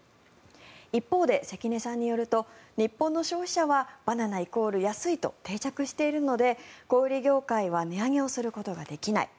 一方で、関根さんによると日本の消費者はバナナ、イコール安いと定着しているので小売業界は値上げをすることができない。